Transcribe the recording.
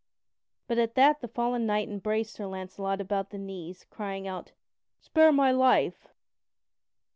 But at that the fallen knight embraced Sir Launcelot about the knees, crying out: "Spare my life!"